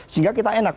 sehingga kita enak